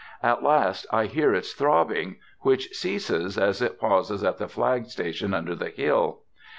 At last I hear its throbbing, which ceases as it pauses at the flag station under the hill.